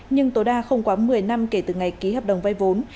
nhưng tối đa không quá một mươi năm kể từ ngày ký hợp đồng vay vốn